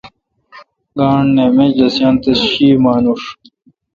گانٹھ نہ۔ منجلسیان تہ شی مانوش۔